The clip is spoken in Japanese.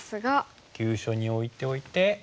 急所にオイておいて。